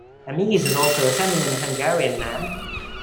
Emese is also a feminine Hungarian name.